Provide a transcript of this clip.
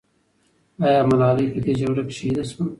آیا ملالۍ په دې جګړه کې شهیده سوه؟